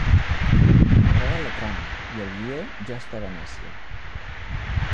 M'agrada la trama i el guió ja està a Venècia.